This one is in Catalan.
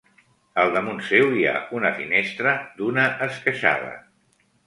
Al damunt seu hi ha una finestra d'una esqueixada.